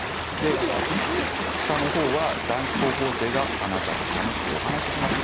下の方は男子高校生があなたと楽しくお話ししますと。